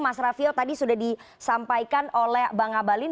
mas raffio tadi sudah disampaikan oleh bang abalin